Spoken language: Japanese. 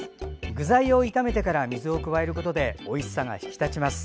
具材を炒めてから水を加えることでおいしさが引き立ちます。